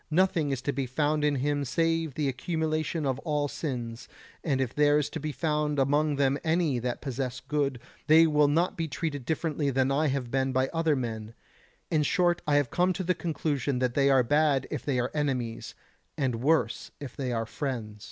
Nothing is to be found in him save the accumulation of all sins, and if there is to be found among them any that possess good, they will not be treated differently than I have been by other men; in short I have come to the conclusion that they are bad if they are enemies, and worse if they are friends.